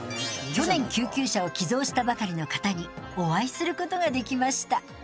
去年救急車を寄贈したばかりの方にお会いすることができました。